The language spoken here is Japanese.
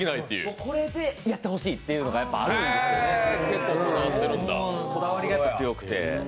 これでやってほしいというのがやっぱりあるんですよね、こだわりが、やっぱ強くて。